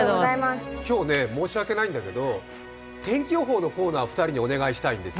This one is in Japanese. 今日、申し訳ないんだけど天気予報のコーナーを２人にお願いしたいんです。